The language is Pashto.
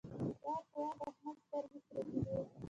وار په وار د احمد سترګې سرې کېدې.